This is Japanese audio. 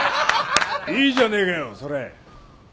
いいじゃねえかよそれ。